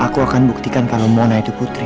aku akan buktikan kalau mona itu putri